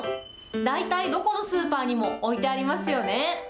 大体どこのスーパーにも置いてありますよね。